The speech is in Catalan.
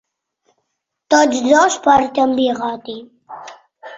Tots dos porten bigoti.